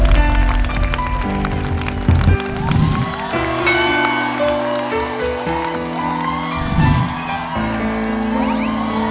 สิ่งนี้ก็แบบข้างล่าง